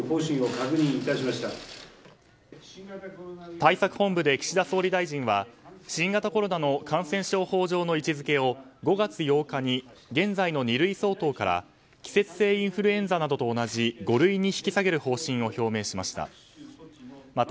対策本部で岸田総理大臣は新型コロナの感染症法上の位置づけを、５月８日に現在の二類相当から季節性インフルエンザなどと同じ五類に引き下げる方針を表明しました。